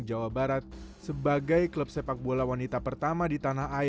jawa barat sebagai klub sepak bola wanita pertama di tanah air pada tahun seribu sembilan ratus enam puluh sembilan